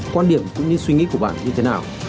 quan điểm cũng như suy nghĩ của bạn như thế nào